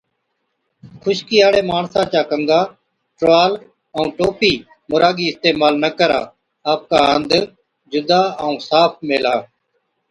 خشڪِي هاڙي ماڻسا چا ڪنگا، ٽروال ائُون ٽوپِي مُراگِي اِستعمال نہ ڪرا۔ آپڪا هنڌ جُدا ائُون صاف ميهلا۔